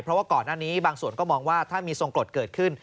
เพราะว่าก่อนหน้านี้บางส่วนก็มองว่าถ้ามีทรงกรดเกิดขึ้น